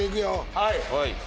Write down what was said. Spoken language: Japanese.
はい。